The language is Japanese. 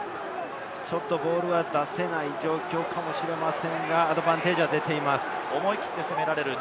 ちょっとボールが出せない状況かもしれませんが、アドバンテージが出ています。